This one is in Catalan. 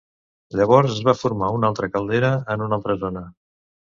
Llavors es va formar una altra caldera en una altra zona.